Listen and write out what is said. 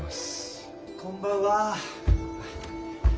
こんばんは。